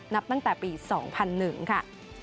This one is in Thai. นับตั้งแต่ปี๒๐๐๑ค่ะ